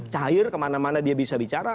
cair kemana mana dia bisa bicara